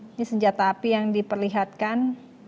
ini senjata api yang diperlihatkan